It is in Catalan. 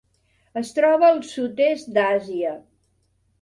Es troba al Sud-est d'Àsia.